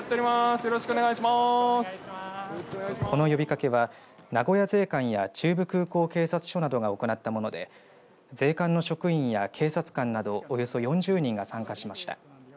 この呼びかけは名古屋税関や中部空港警察署などが起こなったもので税関の職員や警察官などおよそ４０人が参加しました。